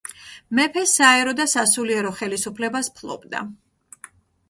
მეფე საერო და სასულიერო ხელისუფლებას ფლობდა.